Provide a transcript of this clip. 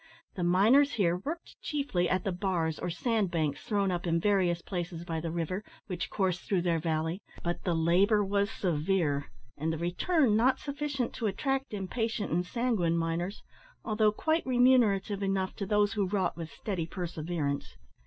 The miners here worked chiefly at the bars or sand banks thrown up in various places by the river which coursed through their valley; but the labour was severe, and the return not sufficient to attract impatient and sanguine miners, although quite remunerative enough to those who wrought with steady perseverance.